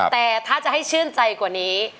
แต่ถ้าจะให้ชื่นใจกว่านี้